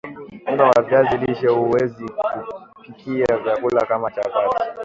unga wa viazi lishe huweza kupikia vyakula kama chapati